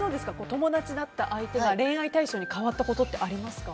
友達だった相手が恋愛対象に変わったことってありますか？